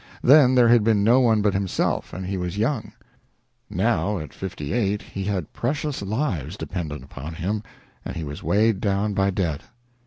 Then there had been no one but himself, and he was young. Now, at fifty eight, he had precious lives dependent upon him, and he was weighed down by debt.